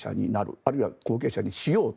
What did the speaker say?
あるいは後継者にしようと。